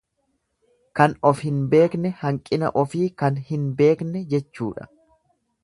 Kan of hin beekne, hanqina ofii kan hin beekne jechuudha.